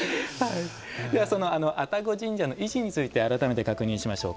では、その愛宕神社の位置について改めて確認しましょう。